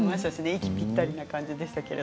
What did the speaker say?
息ぴったりな感じでした。